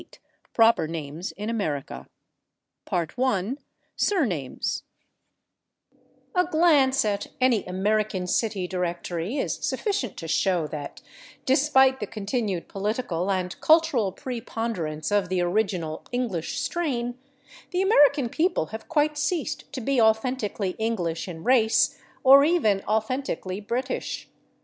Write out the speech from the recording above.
[Pg268] VIII Proper Names in America § 1 /Surnames/ A glance at any American city directory is sufficient to show that, despite the continued political and cultural preponderance of the original English strain, the American people have quite ceased to be authentically English in race, or even authentically British.